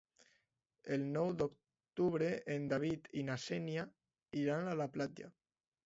El nou d'octubre en David i na Xènia iran a la platja.